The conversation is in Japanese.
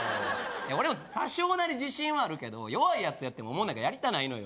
俺も多少なり自信はあるけど弱い奴とやってもおもろないからやりたないのよ